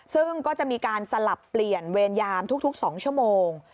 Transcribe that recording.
ซึ่งก็จะมีการสลับเปลี่ยนเวรยามทุก๒ชั่วโมง